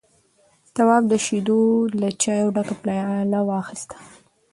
تواب د شيدو له چايو ډکه پياله واخيسته.